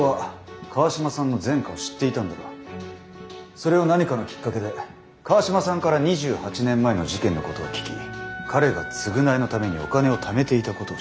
それを何かのきっかけで川島さんから２８年前の事件のことを聞き彼が償いのためにお金をためていたことを知った。